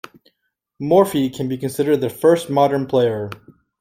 Morphy can be considered the first modern player.